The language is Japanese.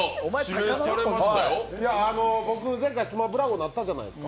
僕、前回、スマブラ王になったじゃないですか。